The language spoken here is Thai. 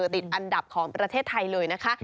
ติดอันดับของประเทศไทยเลยนะคะ